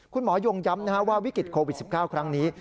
ยงย้ำว่าวิกฤตโควิด๑๙ครั้งนี้